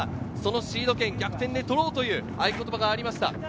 シード権を逆転で取ろうという合言葉がありました。